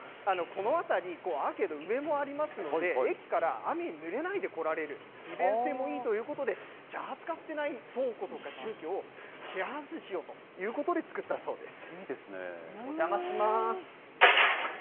この辺り、アーケード、上もありますので、駅から、雨にぬれないで来られる、利便性もいいということで、じゃあ、使ってない倉庫とか住居を、シェアハウスしようということで、作ったそうです。